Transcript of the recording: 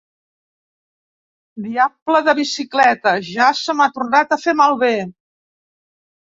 Diable de bicicleta: ja se m'ha tornat a fer malbé!